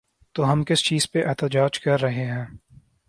تو ہم کس چیز پہ احتجاج کر رہے ہیں؟